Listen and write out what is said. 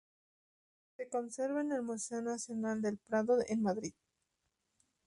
Se conserva en el Museo Nacional del Prado en Madrid.